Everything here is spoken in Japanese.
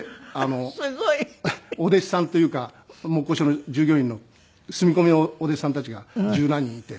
すごい！お弟子さんというか木工所の従業員の住み込みのお弟子さんたちが十何人いて。